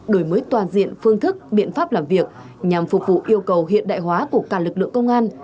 đổi mới toàn diện phương thức biện pháp làm việc nhằm phục vụ yêu cầu hiện đại hóa của cả lực lượng công an